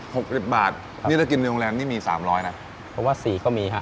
หกสิบบาทนี่ถ้ากินในโรงแรมนี่มีสามร้อยนะเพราะว่าสี่ก็มีฮะ